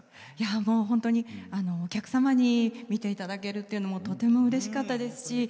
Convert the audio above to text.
本当にお客様に見ていただけるっていうのもとてもうれしかったですし